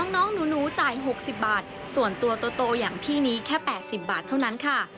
น้องหนูจ่าย๖๐บาทส่วนตัวโตอย่างพี่นี้แค่๘๐บาทเท่านั้นค่ะ